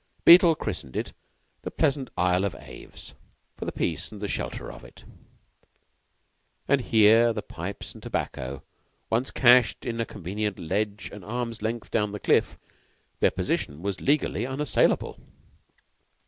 Beetle christened it the Pleasant Isle of Aves, for the peace and the shelter of it; and here, the pipes and tobacco once cachéd in a convenient ledge an arm's length down the cliff, their position was legally unassailable.